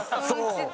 そう。